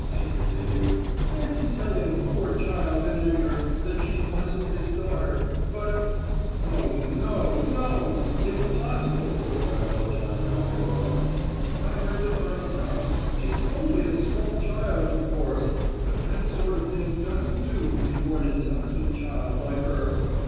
she continued. "Fancy his telling the poor child, in anger, that she wasn't his daughter, but——" "Oh no, no! impossible!" cried Velchaninoff in alarm. "I heard it myself! She's only a small child, of course, but that sort of thing doesn't do before an intelligent child like her!